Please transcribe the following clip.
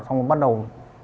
xong rồi bắt đầu